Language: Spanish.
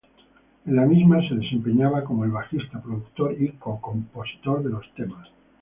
En la misma se desempeñaba como el bajista, productor y co-compositor de los temas.